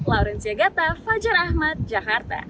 laurencia gata fajar ahmad jakarta